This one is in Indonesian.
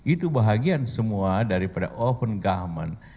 itu bahagian semua daripada open government